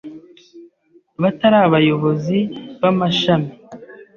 batari Abayobozi b’amashami